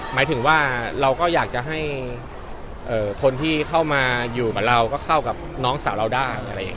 หมายถึงว่าเราก็อยากจะให้คนที่เข้ามาอยู่กับเราก็เข้ากับน้องสาวเราได้อะไรอย่างนี้